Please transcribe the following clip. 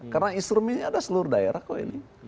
karena instrumennya ada di seluruh daerah kok ini